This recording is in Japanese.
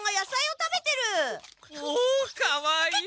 かわいい！